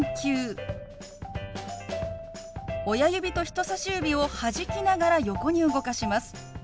親指と人さし指をはじきながら横に動かします。